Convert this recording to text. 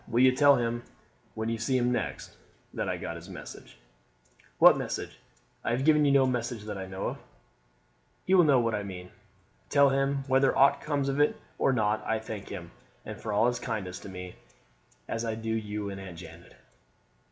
"Will you tell him, when you see him next, that I got his message?" "What message? I have given you no message that I know of." "He will know what I mean. Tell him, whether aught comes of it or not I thank him, and for all his kindness to me, as I do you and Aunt Janet."